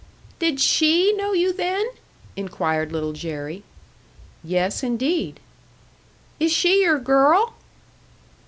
"Did she know you then?" inquired Little Jerry. "Yes, indeed." "Is she your girl?"